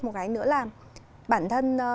một cái nữa là bản thân